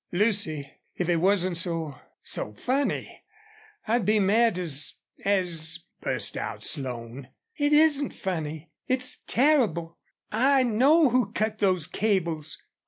"Lucy, if it wasn't so so funny I'd be mad as as " burst out Slone. "It isn't funny. It's terrible.... I know who cut those cables.